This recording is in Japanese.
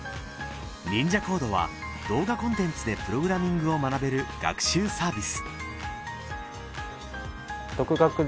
忍者ＣＯＤＥは動画コンテンツでプログラミングを学べる学習サービス